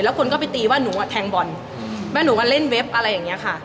แล้วคนก็ไปตีว่าหนูอ่ะแทงบอลแม่หนูก็เล่นเว็บอะไรอย่างนี้ค่ะ